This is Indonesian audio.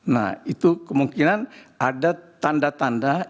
nah itu kemungkinan ada tanda tanda indikatornya yang menyebabkan itu